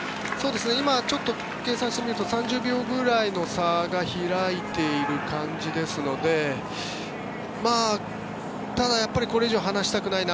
今、ちょっと計算してみると３０秒ぐらいの差が開いている感じですのでただ、これ以上離したくないな。